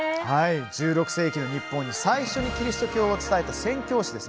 １６世紀の日本に最初にキリスト教を伝えた宣教師です。